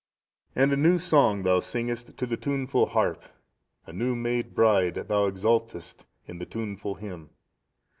"And a new song thou singest to the tuneful harp; a new made bride, thou exultest in the tuneful hymn.